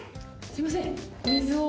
すいません。